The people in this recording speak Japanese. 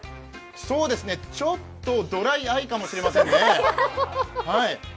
ちょっとドライアイかもしれませんね。